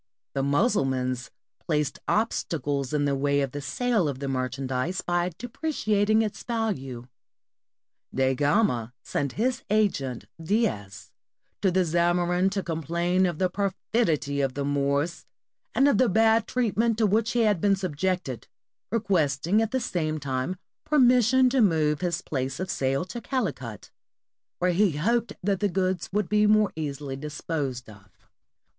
The Mussulmans placed obstacles in the way of the sale of the merchandise by depreciating its value ; Da Gama sent his agent Dias to the Zamorin to complain of the perfidy of the Moors and of the bad treatment to 606 PORTUGAL OPENS COMMERCE WITH INDIA which he had been subjected, requesting at the same time permission to move his place of sale to CaUcut, where he hoped that the goods would be more easily disposed of.